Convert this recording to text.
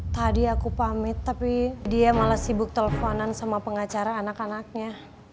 tadi aku pamit tapi dia malah sibuk teleponan sama pengacara anak anaknya